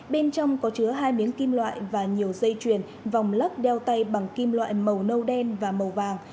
bên trong có chứa hai miếng kim loại và nhiều dây chuyền vòng lắc đeo tay bằng kim loại màu nâu đen và màu vàng